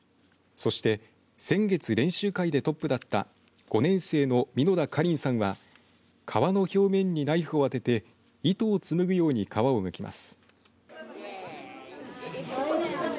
そして先月練習会でトップだった５年生の蓑田かりんさんは皮の表面にナイフを当てて糸を紡ぐように皮をむきます。